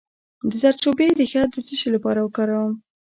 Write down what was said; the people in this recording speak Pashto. د زردچوبې ریښه د څه لپاره وکاروم؟